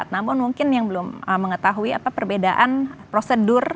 namun mungkin yang belum mengetahui apa perbedaan prosedur